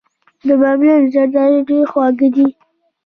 د بامیان زردالو ډیر خواږه دي.